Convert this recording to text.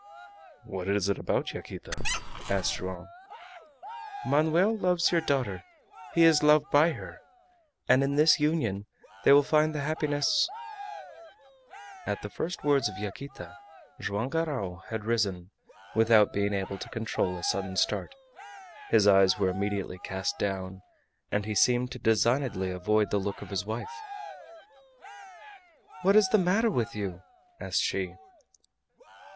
"What is it about, Yaquita?" asked Joam. "Manoel loves your daughter, he is loved by her, and in this union they will find the happiness " At the first words of Yaquita Joam Garral had risen, without being able to control a sudden start. His eyes were immediately cast down, and he seemed to designedly avoid the look of his wife. "What is the matter with you?" asked she.